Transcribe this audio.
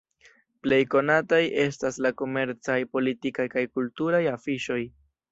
Plej konataj estas la komercaj, politikaj kaj kulturaj afiŝoj.